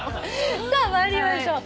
さあ参りましょう。